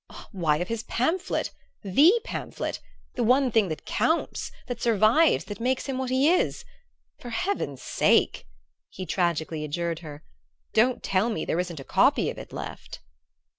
"Why, of his pamphlet the pamphlet the one thing that counts, that survives, that makes him what he is! For heaven's sake," he tragically adjured her, "don't tell me there isn't a copy of it left!"